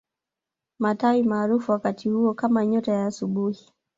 Matawi maarufu wakati huo kama nyota ya asubuhi